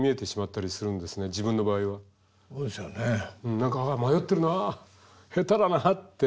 何か迷ってるな下手だなって。